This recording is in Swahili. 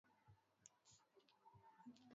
Madrasa hufungwa saa zote